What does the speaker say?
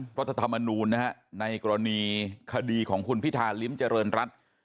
รัฐธรรมนูลนะฮะในกรณีคดีของคุณพิธาลิ้มเจริญรัฐ